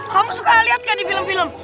kamu suka lihat kayak di film film